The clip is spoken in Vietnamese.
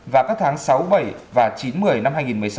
vào các tháng sáu bảy và chín một mươi năm hai nghìn một mươi sáu